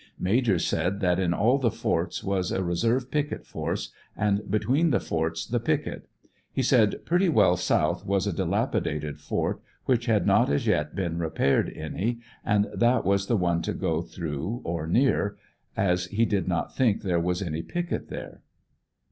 Major said that in all the forts was a reserve picket force, and between the forts the picket. He said pretty well south was a dilapidated fort which had not as yet been repaired any, and that was the one to go through or near, as he did not think there was any picket there.